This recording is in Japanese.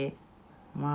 まあ